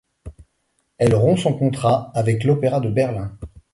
Elle rompt son contrat avec l'Opéra de Berlin.